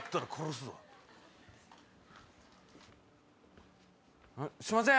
すいません。